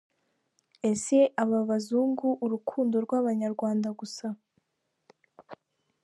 Ese aba bazungu uru rukundo rw’abanyarwanda gusa?